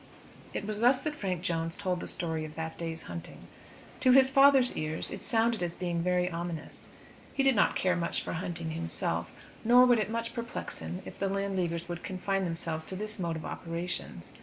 It was thus that Frank Jones told the story of that day's hunting. To his father's ears it sounded as being very ominous. He did not care much for hunting himself, nor would it much perplex him if the Landleaguers would confine themselves to this mode of operations.